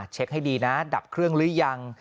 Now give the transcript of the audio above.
ให้ดีนะดับเครื่องหรือยัง